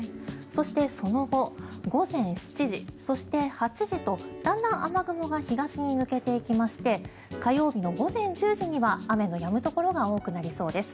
そして、その後午前７時、そして８時とだんだん雨雲が東に抜けていきまして火曜日の午前１０時には雨のやむところが多くなりそうです。